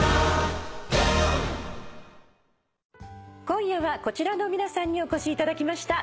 今夜はこちらの皆さんにお越しいただきました。